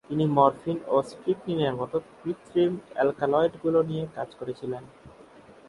তিনি মরফিন এবং স্ট্রিকনিনের মতো কৃত্রিম অ্যালকালয়েডগুলি নিয়ে কাজ করেছিলেন।